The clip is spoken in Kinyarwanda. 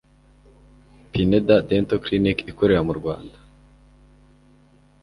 Pineda Dental Clinic' ikorera mu Rwanda